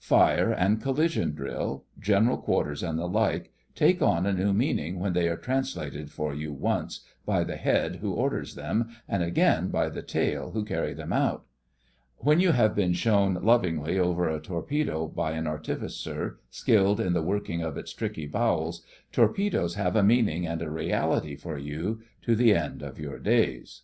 Fire and collision drill, general quarters and the like take on new meaning when they are translated for you once, by the Head who orders them and again by the tail who carry them out. When you have been shown lovingly over a torpedo by an artificer skilled in the working of its tricky bowels, torpedoes have a meaning and a reality for you to the end of your days.